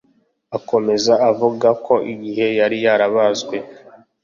Akomeza avuga ko igihe yari yarabazwe